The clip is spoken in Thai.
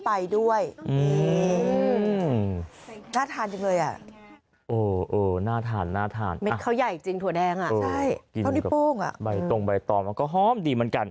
ถั่วแดงอ่ะใช่ข้าวนี้โป้งอ่ะใบตรงใบต่อมันก็ห้อมดีเหมือนกัน